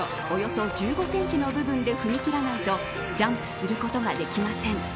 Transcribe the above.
およそ１５センチの部分で踏み切らないとジャンプすることができません。